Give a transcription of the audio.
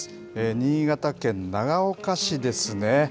新潟県長岡市ですね。